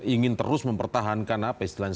ingin terus mempertahankan apa istilahnya